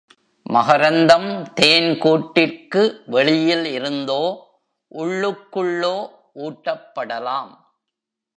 மகரந்தம் தேன் கூட்டிற்கு வெளியில் இருந்தோ உள்ளுக்குள்ளோ ஊட்டப்படலாம்.